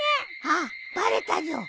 あっバレたじょ。